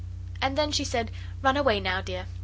And then she said, 'Run away now, dear.